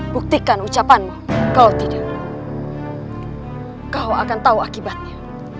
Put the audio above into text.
buktikan ucapanmu kalau tidak kau akan tahu akibatnya